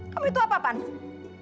kamu itu apaan sih